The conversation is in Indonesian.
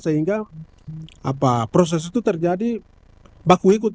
sehingga proses itu terjadi baku ikut